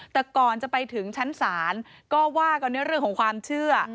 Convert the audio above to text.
แต่ก่อนจะไปถึงชั้นศาลก็ว่ากันในเรื่องของความเชื่อ